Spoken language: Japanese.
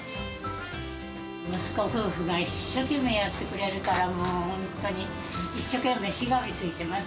息子夫婦が一生懸命やってくれるから、もう本当に一生懸命しがみついています。